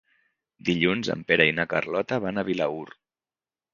Dilluns en Pere i na Carlota van a Vilaür.